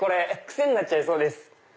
癖になっちゃいそうです。